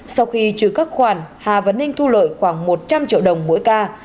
sau khi trừ các khoản hà văn ninh thu lợi khoảng một trăm linh triệu đồng mỗi ca